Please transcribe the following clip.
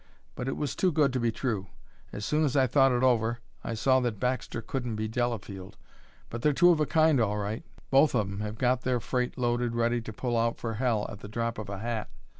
But it was too good to be true; as soon as I thought it over I saw that Baxter couldn't be Delafield. But they're two of a kind all right. Both of 'em have got their freight loaded ready to pull out for hell at the drop of a hat.